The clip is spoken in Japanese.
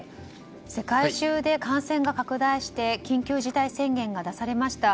世界中で感染が拡大して緊急事態宣言が出されました。